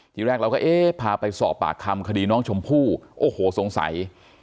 ทีแรกเราก็เอ๊ะพาไปสอบปากคำคดีน้องชมพู่โอ้โหสงสัย